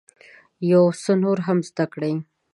یو څه نور هم زده کړئ.